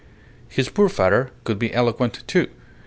His poor father could be eloquent, too.